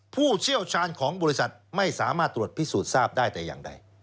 ผู้เชี่ยวชาญของบริษัทไม่สามารถตรวจพิสูจน์ทราบได้แต่อย่างใด